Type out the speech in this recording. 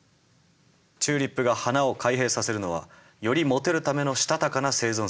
チューリップが花を開閉させるのはよりモテるためのしたたかな生存戦略だったんです。